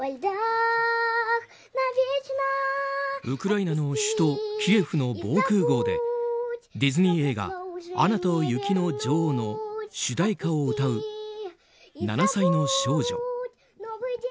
ウクライナの首都キエフの防空壕でディズニー映画「アナと雪の女王」の主題歌を歌う７歳の少女。